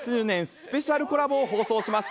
スペシャルコラボを放送します。